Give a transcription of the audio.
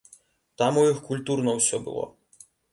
Там у іх культурна ўсё было.